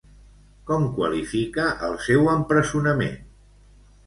Com qualifica el seu empresonament?